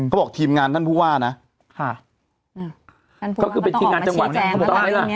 เขาบอกทีมงานท่านผู้ว่านะค่ะท่านผู้ว่าเขาคือเป็นทีมงานจังหวัด